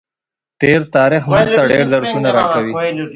تېر تاریخ موږ ته ډېر درسونه راکوي.